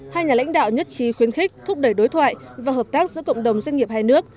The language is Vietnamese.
hai nhà lãnh đạo nhất trí khuyến khích thúc đẩy đối thoại và hợp tác giữa cộng đồng doanh nghiệp hai nước